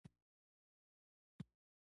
پکورې د چای ځانګړی ملګری دی